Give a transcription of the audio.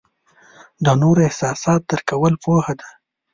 د نورو احساسات درک کول پوهه ده.